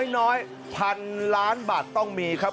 น้อยพันล้านบาทต้องมีครับ